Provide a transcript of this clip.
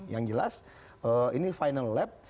yang jelas ini final lab